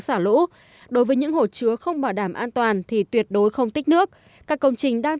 xả lũ đối với những hồ chứa không bảo đảm an toàn thì tuyệt đối không tích nước các công trình đang